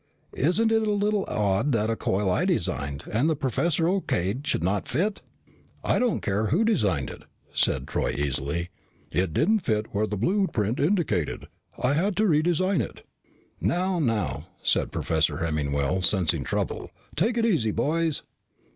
Isn't it a little odd that a coil I designed, and the professor O.K.'d, should not fit?" "I don't care who designed it," said Troy easily. "It didn't fit where the blueprint indicated. I had to redesign it." "Now, now," said Professor Hemmingwell, sensing trouble. "Take it easy, boys."